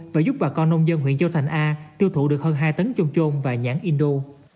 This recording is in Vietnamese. và giúp bà con nông dân huyện châu thành a tiêu thụ được hơn hai tấn chôm trôn và nhãn indo